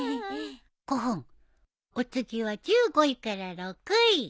お次は１５位から６位。